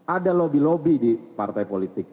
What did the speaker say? ada lobby lobby di partai politik